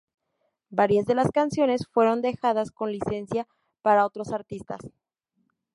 Varias de las canciones fueron dejadas con licencia para otros artistas.